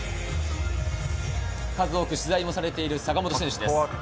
数多く取材もしている坂本選手です。